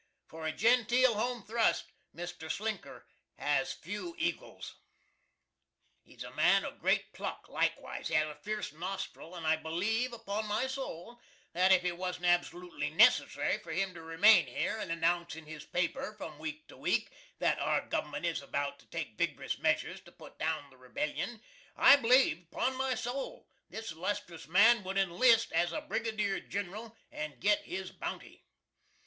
For a genteel home thrust, MR. SLINKERS has few ekals. He is a man of great pluck likewise. He has a fierce nostril, and I believe upon my soul that if it wasn't absolootly necessary for him to remain here and announce in his paper, from week to week, that "our Gov'ment is about to take vig'rous measures to put down the rebellion" I b'lieve, upon my soul, this illustris man would enlist as a Brigadier Gin'ral, and git his Bounty.